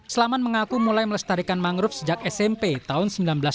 selamat mengaku mulai melestarikan mangrove sejak smp tahun seribu sembilan ratus sembilan puluh